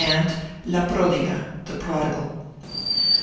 and 'La Pródiga' (The Prodigal).